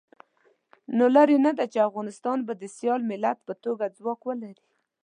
نو لرې نه ده چې افغانستان به د سیال ملت په توګه ځواک ولري.